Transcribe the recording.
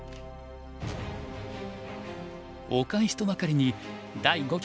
お返しとばかりに第五局